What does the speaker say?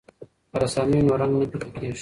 که رسامي وي نو رنګ نه پیکه کیږي.